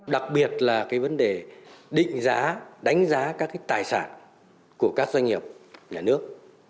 đặc biệt là cái vấn đề định giá đánh giá các cái tài sản của các doanh nghiệp nhà nước